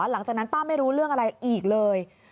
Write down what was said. หลังจากนั้นป้าไม่รู้เรื่องอะไรอีกเลย